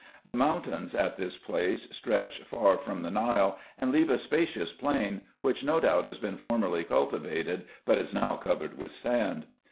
The mountains at this place stretch far from the Nile, and leave a spacious plain, which no doubt has been formerly cultivated, but is now covered with sand.